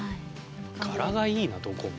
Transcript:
柄がいいなどこも。